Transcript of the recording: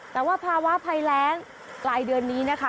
แต่ว่าภาวะภัยแรงปลายเดือนนี้นะคะ